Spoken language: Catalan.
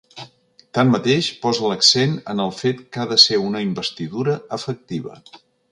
Tanmateix, posa l’accent en el fet que ha de ser una investidura efectiva.